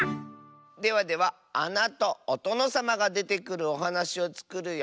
ではではあなとおとのさまがでてくるおはなしをつくるよ。